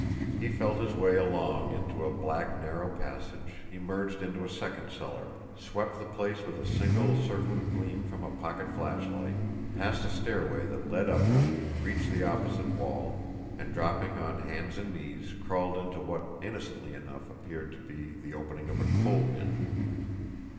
He felt his way along into a black, narrow passage, emerged into a second cellar, swept the place with a single, circling gleam from a pocket flashlight, passed a stairway that led upward, reached the opposite wall, and, dropping on hands and knees, crawled into what, innocently enough, appeared to be the opening of a coal bin.